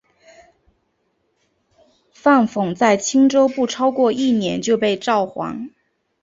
范讽在青州不超过一年就被召还。